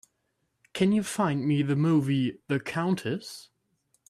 Can you find me the movie The Countess?